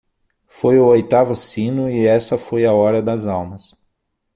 Foi o oitavo sino e essa foi a hora das almas.